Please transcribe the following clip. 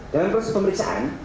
dalam proses pemeriksaan